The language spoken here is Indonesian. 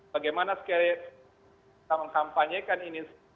bagaimana kita mengkampanyekan ini